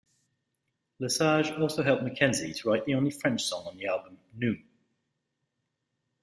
Lesage also helped McKenzie to write the only French song of the album, "Nous".